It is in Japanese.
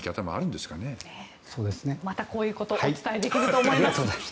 またこういうことをお伝えできると思います。